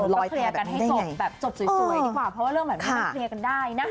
ลอยแพ้แบบนี้ได้ยังไงเออคือเคลียร์กันให้จบสวยดีกว่าเพราะว่าเรื่องแบบนี้มันเคลียร์กันได้นะ